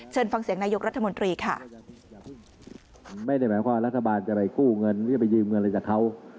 เชิญฟังเสียงนายกรัฐมนตรีค่ะ